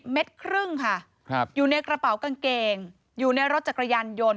ครึ่งค่ะอยู่ในกระเป๋ากางเกงอยู่ในรถจักรยานยนต์